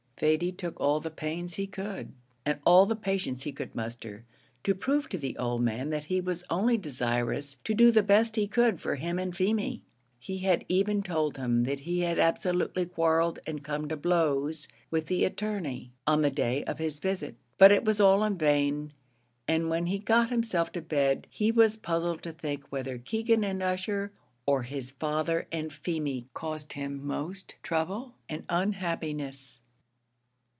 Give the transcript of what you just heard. Thady took all the pains he could, and all the patience he could muster, to prove to the old man that he was only desirous to do the best he could for him and Feemy. He had even told him that he had absolutely quarrelled and come to blows with the attorney, on the day of his visit; but it was all in vain, and when he got himself to bed he was puzzled to think whether Keegan and Ussher, or his father and Feemy, caused him most trouble and unhappiness.